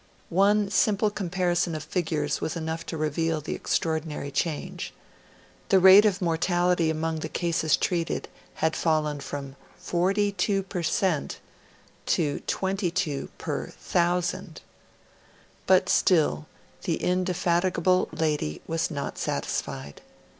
One simple comparison of figures was enough to reveal the extraordinary change: the rate of mortality among the cases treated had fallen from forty two percent to twenty two per 1,000. But still, the indefatigable lady was not satisfied.